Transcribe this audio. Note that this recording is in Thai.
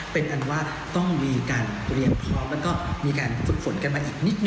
เป็นอันว่าต้องมีการเรียบพร้อมสฝนมา๙๑๑